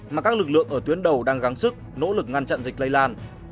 mà các lực lượng ở tuyến đầu đang gắn sức nỗ lực ngăn chặn dịch lây lan